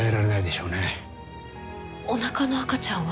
おなかの赤ちゃんは？